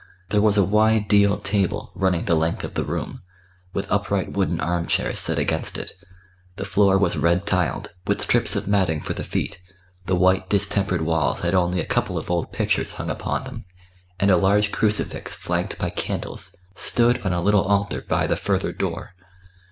There was a wide deal table running the length of the room, with upright wooden arm chairs set against it; the floor was red tiled, with strips of matting for the feet, the white, distempered walls had only a couple of old pictures hung upon them, and a large crucifix flanked by candles stood on a little altar by the further door.